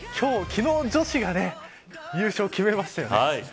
昨日女子が優勝を決めましてね。